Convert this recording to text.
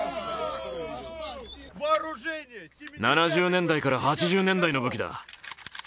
７０年代か８０年代の武器だ。